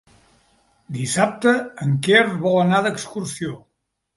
Dissabte en Quer vol anar d'excursió.